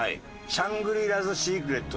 シャングリラズシークレット。